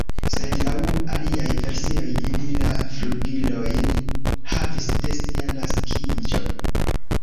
Sed laŭ aliaj versioj ili la flugilojn havis de sia naskiĝo.